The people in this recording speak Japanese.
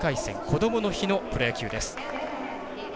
こどもの日のプロ野球です。